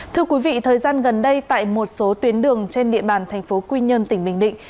thưa quý vị thời gian gần đây tại một số tuyến đường trên địa bàn tp quy nhân tỉnh bình định